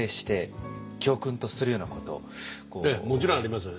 ええもちろんありますよ。